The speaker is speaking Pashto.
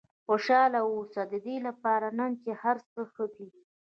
خوشاله واوسئ ددې لپاره نه چې هر څه ښه دي.